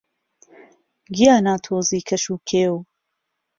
گیانه تۆزی کهش و کێو